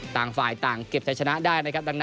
ต่างฝ่ายต่างเก็บใจชนะได้นะครับ